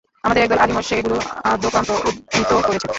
আমাদের একদল আলিমও সেগুলো আদ্যোপান্ত উদ্ধৃত করেছেন।